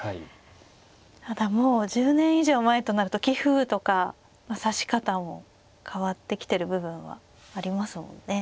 ただもう１０年以上前となると棋風とか指し方も変わってきてる部分はありますもんね。